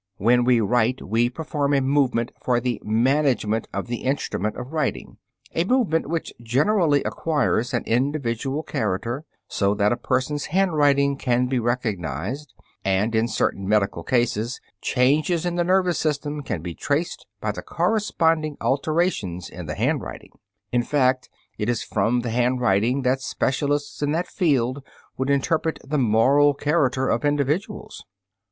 When we write, we perform a movement for the management of the instrument of writing, a movement which generally acquires an individual character, so that a person's handwriting can be recognized, and, in certain medical cases, changes in the nervous system can be traced by the corresponding alterations in the handwriting. In fact, it is from the handwriting that specialists in that subject would interpret the moral character of individuals.